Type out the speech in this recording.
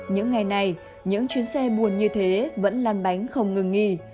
những ngày này những chuyến xe buồn như thế vẫn lan bánh không ngừng nghỉ